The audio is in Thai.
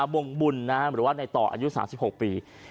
วงบุญหรือว่าในต่ออายุ๓๖ปี